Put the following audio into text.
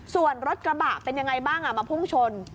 ส่วนรถกระบะเป็นยังไงบ้างมาพุ่งชน